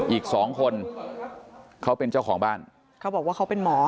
อีกสองคนเขาเป็นเจ้าของบ้านเขาบอกว่าเขาเป็นหมอ